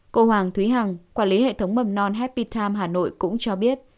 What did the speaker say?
cô hoàng thúy hằng quản lý hệ thống mầm non happi time hà nội cũng cho biết